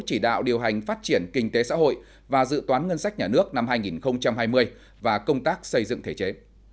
chỉ đạo điều hành phát triển kinh tế xã hội và dự toán ngân sách nhà nước năm hai nghìn hai mươi và công tác xây dựng thể chế